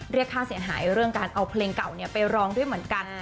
เรียกค่าเสียหายเรื่องการเอาเพลงเก่าไปร้องด้วยเหมือนกัน